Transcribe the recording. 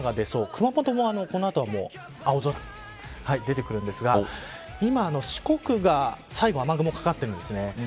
熊本もこの後は青空でてくるんですが今、四国が最後、雨雲かかってるんですね。